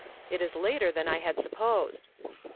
It is later than I had supposed."